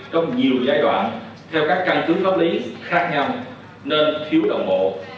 trong nhiều giai đoạn theo các căn cứ pháp lý khác nhau nên thiếu đồng bộ